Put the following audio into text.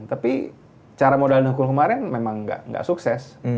tapi cara modal nukul kemaren memang gak sukses